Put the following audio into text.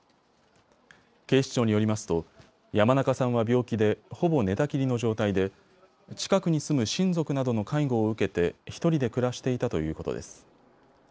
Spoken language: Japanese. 警視庁によりますと山中さんは病気でほぼ寝たきりの状態で近くに住む親族などの介護を受けて１人で暮らしていたということです。